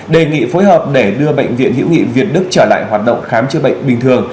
đề nghị phối hợp để đưa bệnh viện hữu nghị việt đức trở lại hoạt động khám chữa bệnh bình thường